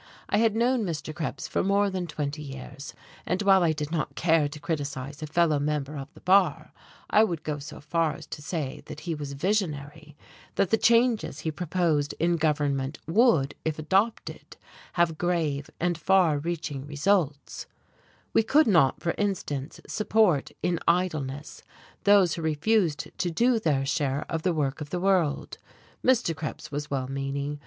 I had known Mr. Krebs for more than twenty years, and while I did not care to criticise a fellow member of the bar, I would go so far as to say that he was visionary, that the changes he proposed in government would, if adopted, have grave and far reaching results: we could not, for instance, support in idleness those who refused to do their share of the work of the world. Mr. Krebs was well meaning.